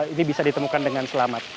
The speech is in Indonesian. ini bisa ditemukan dengan selamat